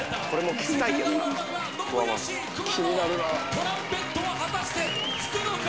トランペットは果たして吹くのか？